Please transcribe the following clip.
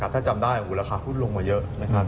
ถ้าจำได้ราคาหุ้นลงมาเยอะนะครับ